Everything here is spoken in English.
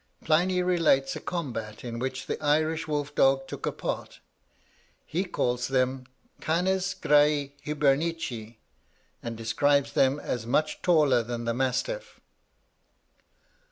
Pliny relates a combat in which the Irish wolf dog took a part: he calls them 'Canes Graii Hibernici,' and describes them as much taller than the mastiff.